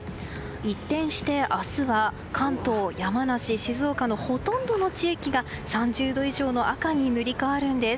一転して明日は関東、山梨、静岡のほとんどの地域が３０度以上の赤に塗り替わるんです。